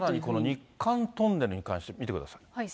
日韓トンネルに関して見てください。